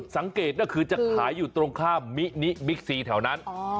สังเกตก็คือจะขายอยู่ตรงข้ามมินิบิ๊กซีแถวนั้น